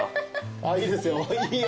あいいですよ。